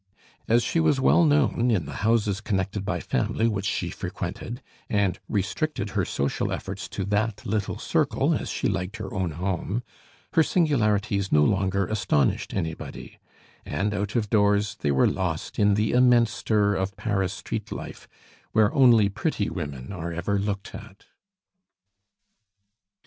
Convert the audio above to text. As she was well known in the houses connected by family which she frequented, and restricted her social efforts to that little circle, as she liked her own home, her singularities no longer astonished anybody; and out of doors they were lost in the immense stir of Paris street life, where only pretty women are ever looked at.